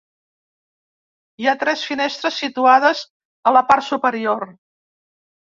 Hi ha tres finestres situades a la part superior.